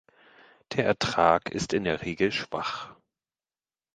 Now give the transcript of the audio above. Der Ertrag ist in der Regel schwach.